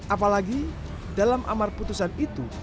apalagi dalam amar putusan itu